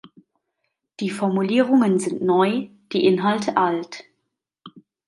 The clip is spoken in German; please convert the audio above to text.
Die Formulierungen sind neu, die Inhalte alt.